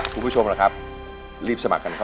ขอบคุณค่ะ